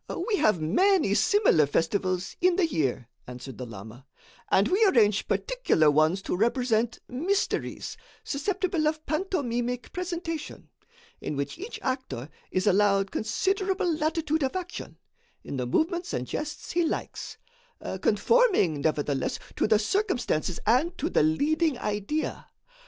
"We have many similar festivals in the year," answered the lama, "and we arrange particular ones to represent 'mysteries,' susceptible of pantomimic presentation, in which each actor is allowed considerable latitude of action, in the movements and jests he likes, conforming, nevertheless, to the circumstances and to the leading idea.